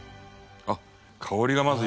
あっ香りがまずいい。